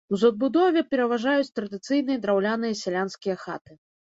У забудове пераважаюць традыцыйныя драўляныя сялянскія хаты.